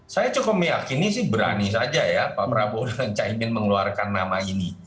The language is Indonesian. saya cukup meyakini sih berani saja ya pak prabowo dan caimin mengeluarkan nama ini